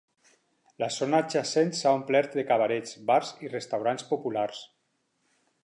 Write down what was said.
La zona adjacent s'ha omplert de cabarets, bars i restaurants populars.